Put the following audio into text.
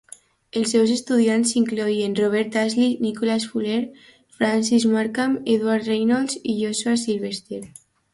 Els seus estudiants incloïen Robert Ashley, Nicholas Fuller, Francis Markham, Edward Reynolds i Josuah Sylvester.